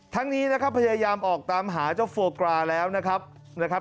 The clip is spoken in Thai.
ทั้งนี้นะครับพยายามออกตามหาเจ้าโฟกราแล้วนะครับ